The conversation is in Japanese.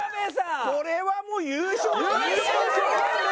これはもう優勝。